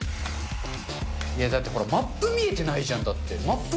だってほら、マップ見えてないじゃん。